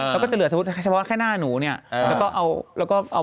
แล้วก็จะเหลือเฉพาะแค่หน้าหนูเนี่ยแล้วก็เอาไปแปะ